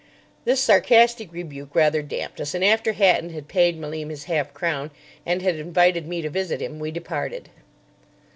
This sarcastic rebuke rather damped us, and after Hatton had paid Malim his half crown, and had invited me to visit him, we departed.